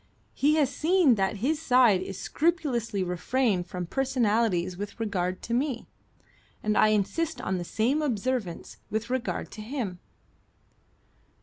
He has seen that his side has scrupulously refrained from personalities with regard to me, and I insist on the same observance with regard to him."